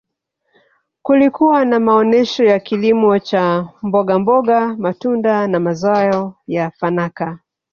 kulikuwa na maonesho ya kilimo cha mbogamboga matunda na mazao ya nafaka